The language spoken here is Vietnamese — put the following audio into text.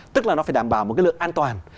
tức là nó phải đảm bảo một cái lượng an toàn